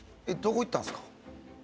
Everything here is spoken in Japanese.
どこいったんすか？